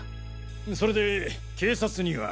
それで警察には？